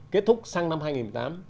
kết thúc sang năm hai nghìn một mươi tám